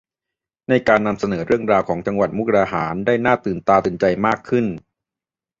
ในการนำเสนอเรื่องราวของจังหวัดมุกดาหารได้หน้าตื่นตาตื่นใจมากขึ้น